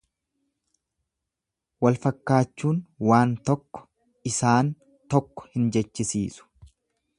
Walfakkaachuun waan tokko isaan tokko hin jechisiisu.